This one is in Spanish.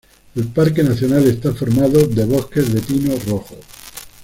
El parque nacional está formado de bosques de pino rojo.